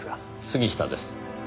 杉下です。